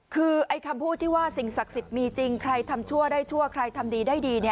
คือไอ้คำพูดที่ว่าสิ่งศักดิ์สิทธิ์มีจริงใครทำชั่วได้ชั่วใครทำดีได้ดี